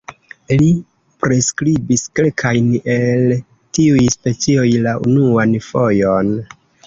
Li priskribis kelkajn el tiuj specioj la unuan fojon.